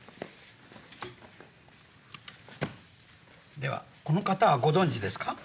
ではこの方はご存じですか？